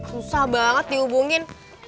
susah banget dihubungin